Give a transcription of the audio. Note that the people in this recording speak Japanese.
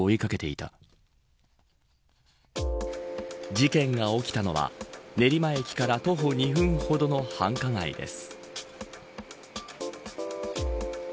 事件が起きたのは練馬駅から徒歩２分ほどの繁華街です。